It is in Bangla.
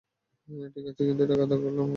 ঠিক আছে, কিন্তু টাকার দরকার হলে বলো আমাকে।